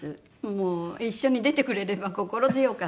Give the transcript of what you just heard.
もう一緒に出てくれれば心強かったのに。